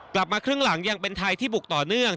กลับมาครึ่งหลังยังเป็นไทยที่บุกต่อเนื่อง